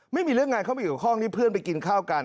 ไม่มีเรื่องงานเข้ามาอยู่ห้องนี้เพื่อนไปกินข้าวกัน